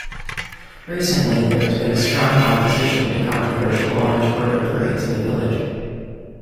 Recently there has been strong opposition to controversial Orange Order parades in the village.